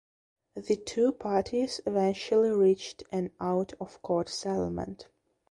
The two parties eventually reached an out of court settlement.